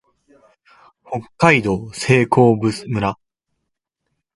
北海道西興部村